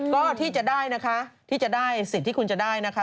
ก็ที่จะได้นะคะที่จะได้สิทธิ์ที่คุณจะได้นะคะ